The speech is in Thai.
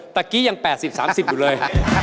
ตะกี้ยัง๘๐๓๐อยู่เลย